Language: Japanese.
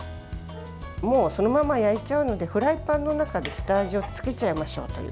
もう、そのまま焼いちゃうのでフライパンの中で下味をつけちゃいましょう。